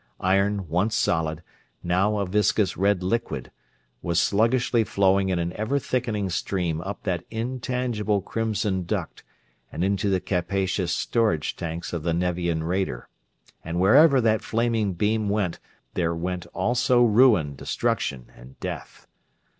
Iron, once solid, now a viscous red liquid, was sluggishly flowing in an ever thickening stream up that intangible crimson duct and into the capacious storage tanks of the Nevian raider; and wherever that flaming beam went there went also ruin, destruction, and death.